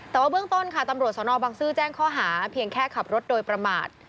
แต่ว่าเบื้องต้นค่ะตำรวจสนบังซื้อแจ้งข้อหาเพียงแค่ขับรถโดยประมาท